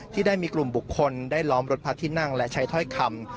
ที่ได้มีกลุ่มบุคคลได้ล้อมรถพระที่นั่งและใช้ถ้อยคำ